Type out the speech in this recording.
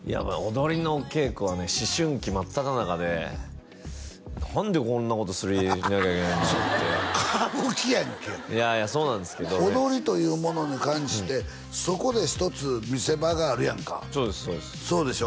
踊りの稽古はね思春期まっただ中で何でこんなことしなきゃいけないんだろうって歌舞伎やんけいやいやそうなんですけど踊りというものに関してそこで一つ見せ場があるやんかそうですそうですそうでしょ？